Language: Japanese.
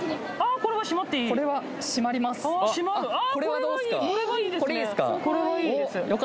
これいいですか？